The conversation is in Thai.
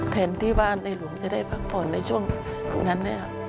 แทนที่ว่าในหลวงจะได้พักผ่อนในช่วงนั้น